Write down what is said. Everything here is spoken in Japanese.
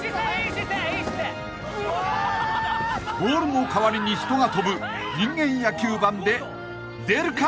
［ボールの代わりに人がとぶ人間野球盤で出るか？